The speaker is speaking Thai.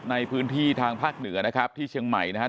ในพื้นที่ทางภาคเหนือนะครับที่เชียงใหม่นะครับ